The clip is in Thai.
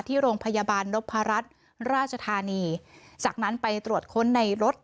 ที่โรงพยาบาลนพรัชราชธานีจากนั้นไปตรวจค้นในรถ